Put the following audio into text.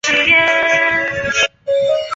卢纳皮尔是美国密歇根州门罗县的一座城市。